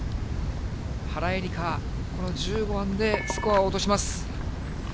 原英莉花、この１５番でスコアを落とします。